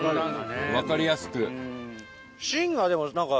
・分かりやすく・